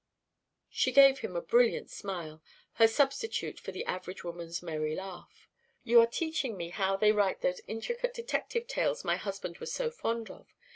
She gave him a brilliant smile, her substitute for the average woman's merry laugh. "You are teaching me how they write those intricate detective tales my husband was so fond of.